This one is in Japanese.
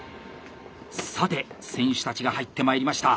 さて選手たちが入ってまいりました。